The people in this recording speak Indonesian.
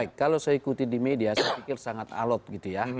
baik kalau saya ikuti di media saya pikir sangat alot gitu ya